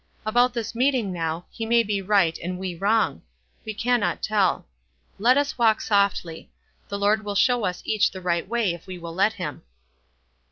About this meeting now, he may be right and we wrong. We cannot tell. Let us walk softly. The Lord will show us each the right way if we will let him."